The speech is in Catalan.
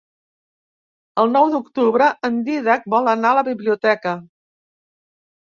El nou d'octubre en Dídac vol anar a la biblioteca.